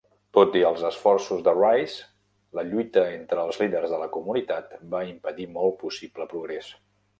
Tot i els esforços de Wrice, la lluita entre els líders de la comunitat va impedir molt possible progrés.